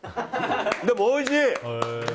でも、おいしい！